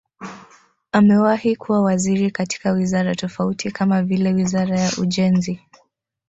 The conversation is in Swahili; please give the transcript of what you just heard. Amewahi kuwa waziri katika wizara tofauti kama vile Wizara ya Ujenzi